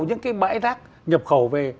những cái bãi rác nhập khẩu về